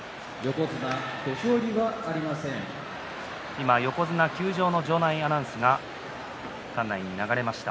今、横綱休場の場内アナウンスが館内に流れました。